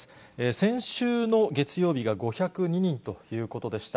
先週の月曜日が５０２人ということでした。